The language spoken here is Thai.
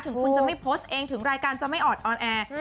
ถึงคุณจะไม่โพสต์เองถึงรายการจะไม่ออดออนแอร์